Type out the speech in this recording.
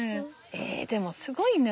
えでもすごいね。